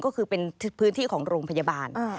ก็คือเป็นพื้นที่ของโรงพยาบาล